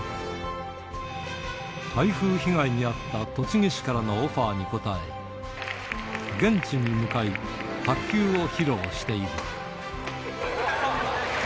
台風被害に遭った栃木市からのオファーに応え、現地に向かい、卓球を披露している。